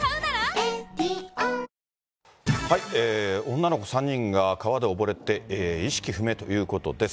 女の子３人が川で溺れて意識不明ということです。